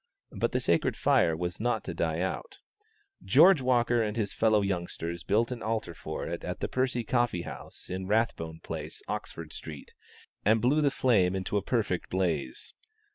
But the sacred fire was not to die out: George Walker and his fellow youngsters built an altar for it at the Percy Coffee House in Rathbone Place, Oxford Street, and blew the flame into a perfect blaze.